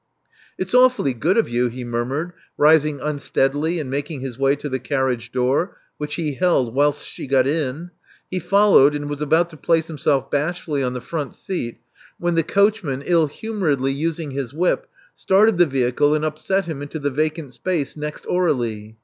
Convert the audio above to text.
*'It's awfully good of you," he murmured, rising unsteadily and making his way to the carriage door, which he held whilst she got in. He followed, and ^Yas about to place himself bashfully on the front seat, when the coachman, ill humoredly using his whip, started the vehicle and upset him into the vacant space next Aur6lie.